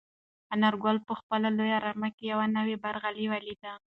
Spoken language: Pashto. انارګل په خپله لویه رمه کې یو نوی برغلی ولید.